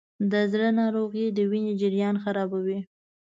د زړه ناروغۍ د وینې جریان خرابوي.